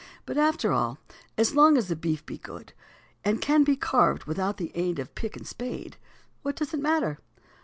But after all, as long as the beef be good, and can be carved without the aid of pick and spade, what does it matter?